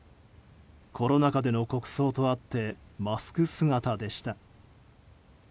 コロナ禍での国葬とあってマスク姿でした。